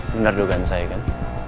bener dugaan saya kan